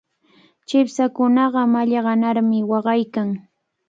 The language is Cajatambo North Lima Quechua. Chipshakunaqa mallaqanarmi waqaykan.